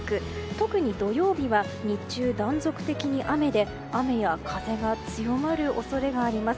特に土曜日は日中、断続的に雨で雨や風が強まる恐れがあります。